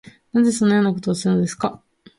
なぜそのようなことをするのですか